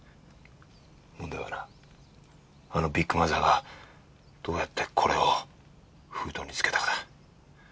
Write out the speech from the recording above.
問題はなあのビッグマザーがどうやってこれを封筒につけたかだ。